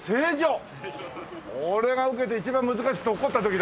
俺が受けて一番難しくて落っこちた時だよ。